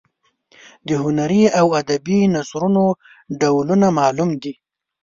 د هنري او ادبي نثرونو ډولونه معلوم دي.